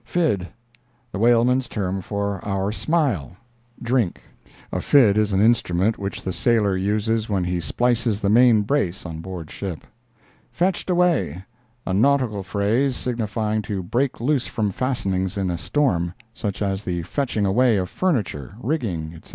"Fid"—The whaleman's term for our "smile"—drink. A fid is an instrument which the sailor uses when he splices the main brace on board ship. "Fetched away"—A nautical phrase signifying to break loose from fastenings in a storm—such as the fetching away of furniture, rigging, etc.